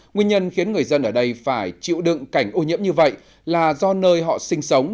nguyên nhân khiến người dân ở đây phải chịu đựng cảnh ô nhiễm như vậy là do nơi họ sinh sống